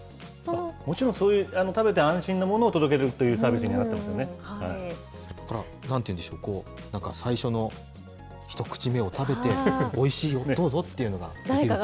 もちろんそういう、食べて安心なものを届けるというサービスなんていうんでしょう、最初の一口目を食べて、おいしい、どうぞっていうのができると。